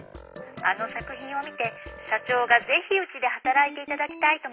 ☎あの作品を見て社長がぜひうちで働いていただきたいと申しておりまして。